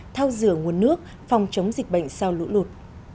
thao rửa nguồn nước phòng chống dịch bệnh sau lũ lụt